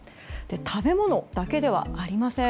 食べ物だけではありません。